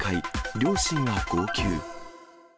両親は号泣。